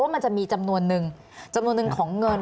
มันจะมีจำนวนนึงจำนวนหนึ่งของเงิน